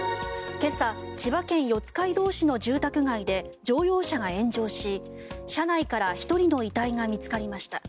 今朝、千葉県四街道市の住宅街で乗用車が炎上し車内から１人の遺体が見つかりました。